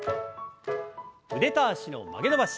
腕と脚の曲げ伸ばし。